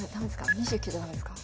２９ダメですか？